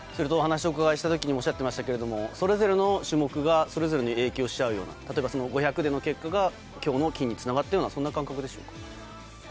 お話をお伺いした時にもおっしゃっていましたけどそれぞれの種目がそれぞれに影響し合うような例えば、５００の結果が今日の金につながったような感覚でしょうか。